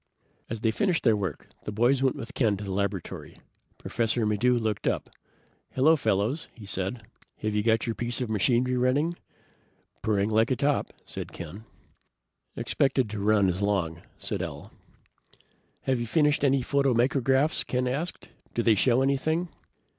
As they finished their work the boys went with Ken to the laboratory. Professor Maddox looked up. "Hello, Fellows," he said. "Have you got your piece of machinery running?" "Purring like a top," said Ken. "Expected to run about as long," said Al. "Have you finished any photomicrographs?" Ken asked. "Do they show anything?"